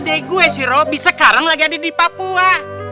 adek gue si robby sekarang lagi ada di papua